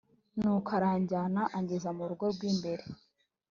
nuko aranjyana angeza mu rugo rw imbere